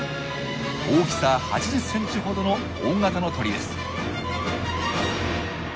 大きさ８０ｃｍほどの大型の鳥です。